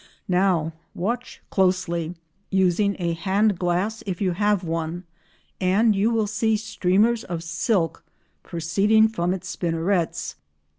Now watch closely—using a handglass if you have one—and you will see streamers of silk proceeding from its spinnerets.